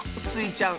ちゃん